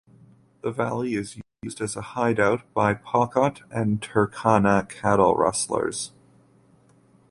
The valley is used as a hide-out by Pokot and Turkana cattle rustlers.